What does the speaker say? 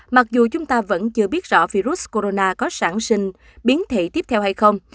mặc dù chúng ta vẫn chưa biết rõ virus corona có sản sinh biến thể tiếp theo hay không